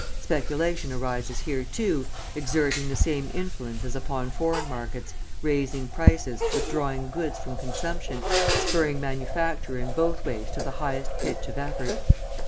Speculation arises here, too, exerting the same influence as upon foreign markets, raising prices, withdrawing goods from consumption, spurring manufacture in both ways to the highest pitch of effort.